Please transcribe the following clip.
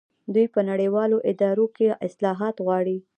دوی په نړیوالو ادارو کې اصلاحات غواړي.